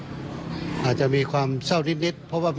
ช่วยให้สามารถสัมผัสถึงความเศร้าต่อการระลึกถึงผู้ที่จากไป